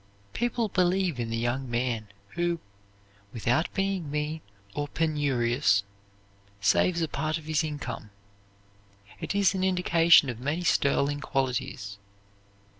People believe in the young man, who, without being mean or penurious, saves a part of his income. It is an indication of many sterling qualities.